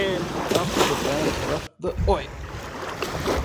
After the band left the Oi!